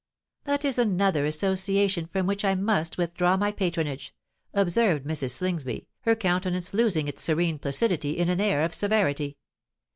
"That is another Association from which I must withdraw my patronage," observed Mrs. Slingsby, her countenance losing its serene placidity in an air of severity.